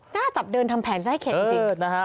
น่าจับเดินทำแผนใจเข็ดจริง